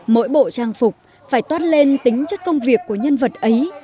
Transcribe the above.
mỗi bộ trang phục phải toát lên tính chất công việc của nhân vật ấy